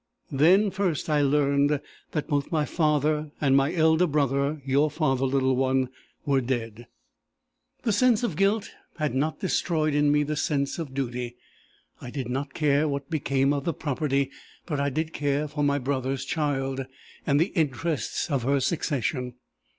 Then first I learned that both my father and my elder brother, your father, little one, were dead. "The sense of guilt had not destroyed in me the sense of duty. I did not care what became of the property, but I did care for my brother's child, and the interests of her succession.